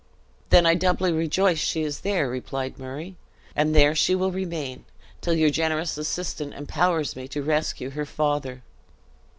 "Then I doubly rejoice she is there," replied Murray, "and there she will remain, till your generous assistance empowers me to rescue her father."